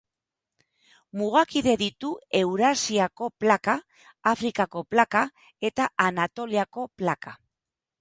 Mugakide ditu Eurasiako plaka, Afrikako plaka eta Anatoliako plaka.